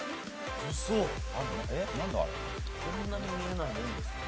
こんなに見えないものですかね？